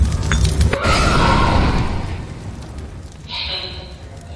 Kumbukumbu ikamjia akawa kama anaiangalia ile bahasha huku mze Makame akiwa pembeni